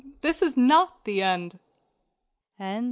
this is not the end!"